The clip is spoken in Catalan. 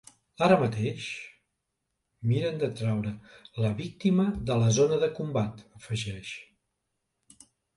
Ara mateix, miren de traure la víctima de la zona de combat, afegeix.